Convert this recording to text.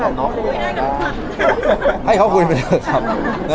หาได้เขาคุยได้เหรอจริงมากหากเขาคุยได้ด้วยไม่ได้พอน้อยให้เขาคุยไปกัน